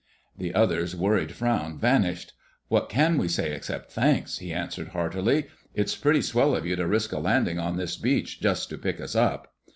The other's worried frown vanished. "What can we say, except 'Thanks?'" he answered heartily. "It's pretty swell of you to risk a landing on this beach just to pick us up."